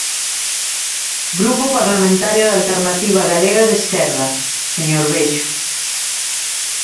Grupo Parlamentario de Alternativa Galega de Esquerda, señor Bexo.